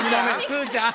すずちゃん！